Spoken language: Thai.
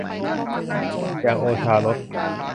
อย่างโอชารส